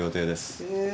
へえ。